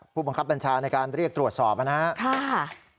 ผู้บังคับบัญชาในการเรียกตรวจสอบนะครับ